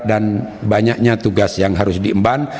dan banyaknya tugas yang harus diemban